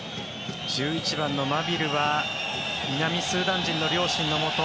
１１番のマビルは南スーダン人の両親のもと